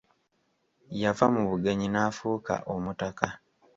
Yava mu bugenyi n'afuuka omutaka.